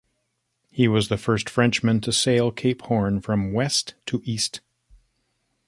He was the first Frenchman to sail Cape Horn from west to east.